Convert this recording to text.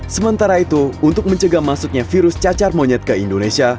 sementara itu untuk mencegah masuknya virus cacar monyet ke indonesia